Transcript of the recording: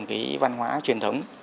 cái văn hóa truyền thống